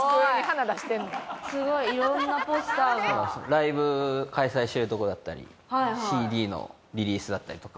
ライブ開催してるとこだったりＣＤのリリースだったりとか。